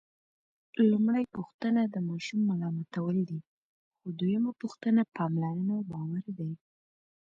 لومړۍ پوښتنه د ماشوم ملامتول دي، خو دویمه پوښتنه پاملرنه او باور دی.